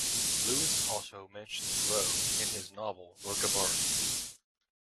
Lewis also mentions Roe in his novel "Work of Art".